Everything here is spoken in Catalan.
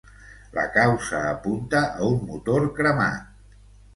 La causa apunta a un motor cremat.